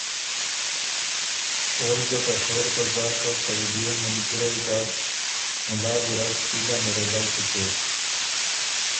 اول ګۀ ته شور په ځاکه پئ بئے مِلګِرئ ګډ مُلا ګیرډ سیدها مروبئ کی څېک